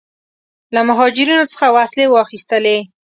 له مهاجرینو څخه وسلې واخیستلې.